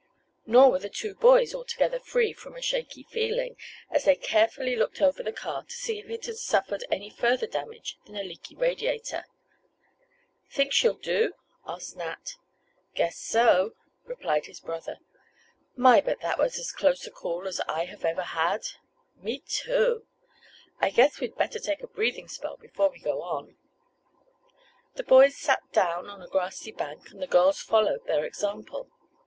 Nor were the two boys altogether free from a shaky feeling, as they carefully looked over the car to see if it had suffered any further damage than the leaky radiator. "Think she'll do?" asked Nat. "Guess so," replied his brother. "My, but that was as close a call as I have ever had." "Me too. I guess we'd better take a breathing spell before we go on." The boys sat down on a grassy bank, and the girls followed their example.